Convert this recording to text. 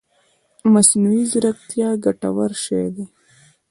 مصنوعي ځيرکتيا ګټور شی دی